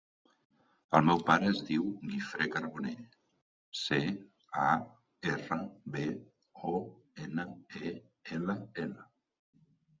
El meu pare es diu Guifré Carbonell: ce, a, erra, be, o, ena, e, ela, ela.